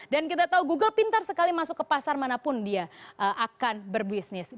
dan kita tahu google pintar sekali masuk ke pasar manapun dia akan berbisnis